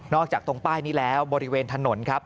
อกจากตรงป้ายนี้แล้วบริเวณถนนครับ